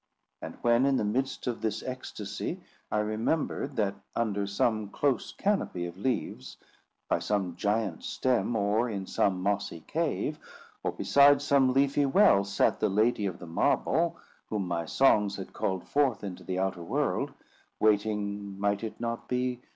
And when, in the midst of this ecstacy, I remembered that under some close canopy of leaves, by some giant stem, or in some mossy cave, or beside some leafy well, sat the lady of the marble, whom my songs had called forth into the outer world, waiting (might it not be?)